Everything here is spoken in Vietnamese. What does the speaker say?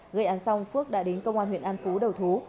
gây án xong phước đã đến công an huyện an phú đầu thú